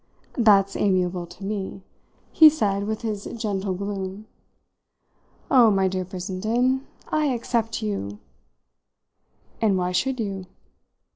"That's amiable to me," he said with his gentle gloom. "Oh, my dear Brissenden, I except 'you.'" "And why should you?"